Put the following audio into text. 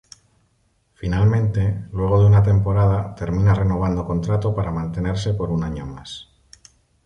Finalmente, luego de una temporada, termina renovando contrato para mantenerse por un año más.